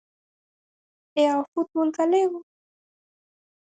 E ao fútbol galego?